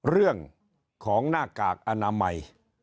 เรื่องของหน้ากากอนามัย